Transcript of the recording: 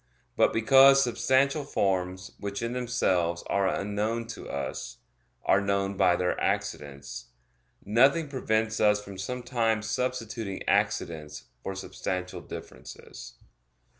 But because substantial forms, which in themselves are unknown to us, are known by their accidents; nothing prevents us from sometimes substituting accidents for substantial differences.